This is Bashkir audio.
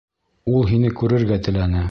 Ул һине күрергә теләне.